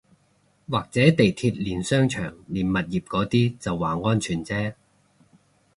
或者地鐵連商場連物業嗰啲就話安全啫